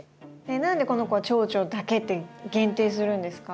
何でこの子はチョウチョだけって限定するんですか？